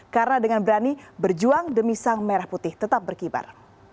karena dengan berani berjuang demi sang merah putih tetap berkibar